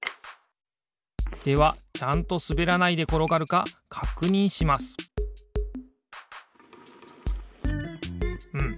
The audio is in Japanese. ではちゃんとすべらないでころがるかかくにんしますうん。